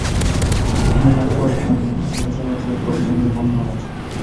কোন মতবাদ নহে, উহা জগতের ঘটনাবলী বর্ণনামাত্র।